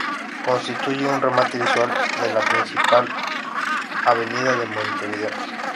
Constituye un remate visual de la principal avenida de Montevideo.